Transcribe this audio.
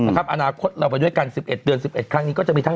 นะครับอนาคตเราไปด้วยกันสิบเอ็ดเดือนสิบเอ็ดครั้งนี้ก็จะมีทั้ง